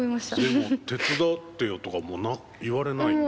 でも手伝ってよとかも言われないんだ。